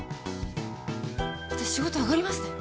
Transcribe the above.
私仕事上がりますね。